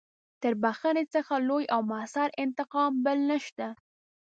تر بخښنې څخه لوی او مؤثر انتقام بل نشته.